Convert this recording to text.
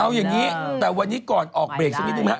เอาอย่างนี้แต่วันนี้ก่อนออกเบรกสักนิดนึงไหมครับ